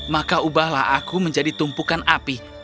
maka ubahlah aku menjadi tumpukan api